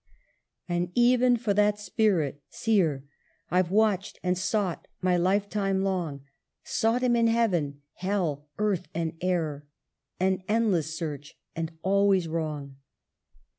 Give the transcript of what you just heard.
" And even for that spirit, seer, I've watched and sought my life time long ; Sought him in heaven, hell, earth and air — An endless search, and always wrong